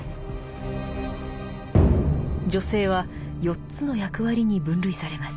女性は４つの役割に分類されます。